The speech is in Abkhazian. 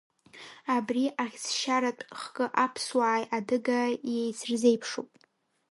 Абри ахьӡшьаратә хкы аԥсуааи адыгааи иеицырзеиԥшуп.